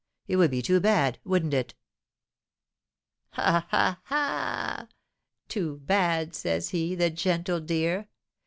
It would be too bad, wouldn't it?" "Ha! ha! ha! 'Too bad,' says he, the gentle dear!